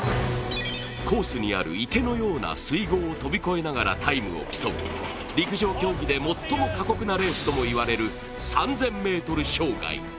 コースにある池のような水濠飛び超えながらタイムを競う、陸上競技で最も過酷なレースともいわれる３０００ｍ障害。